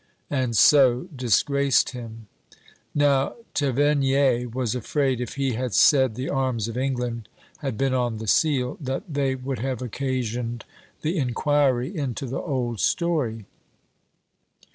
And so disgraced him. Now Tavernier was afraid, if he had said the arms of England had been on the seal, that they would have occasioned the inquiry into the old story.